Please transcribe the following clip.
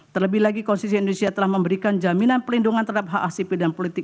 terlebih lagi konstitusi indonesia telah memberikan jaminan pelindungan terhadap hak acp dan politik